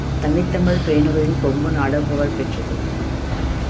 தனித்தமிழ் பேணுவதில் கொங்குநாடு புகழ்பெற்றது.